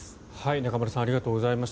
中丸さんありがとうございました。